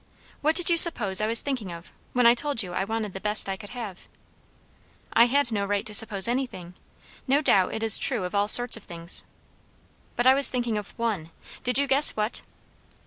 "What did you suppose I was thinking of, when I told you I wanted the best I could have?" "I had no right to suppose anything. No doubt it is true of all sorts of things." "But I was thinking of one did you guess what?"